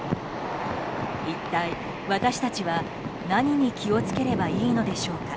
一体、私たちは何に気を付ければいいのでしょうか。